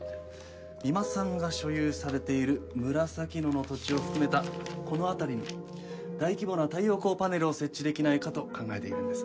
三馬さんが所有されている紫野の土地を含めたこの辺りに大規模な太陽光パネルを設置できないかと考えているんです。